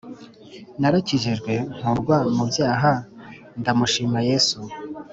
Narakijijwe nkurwa mubyaha ndamushima Yesu